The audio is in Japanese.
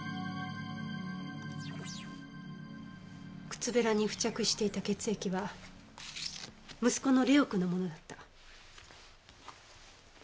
靴べらに付着していた血液は息子の玲央君のものだった。